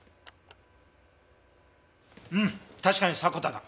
うん確かに迫田だ。